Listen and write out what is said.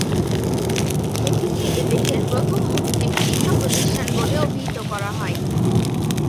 এটিকে এদেশের প্রথম মুসলিম শিক্ষা প্রতিষ্ঠান বলে অভিহিত করা হয়।